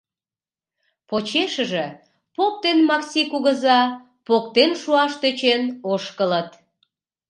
Почешыже поп ден Максий кугыза поктен шуаш тӧчен ошкылыт.